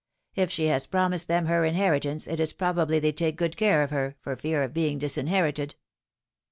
If she has promised them her inheritance, it is proba ble they take good care of her, for fear of being disin herited.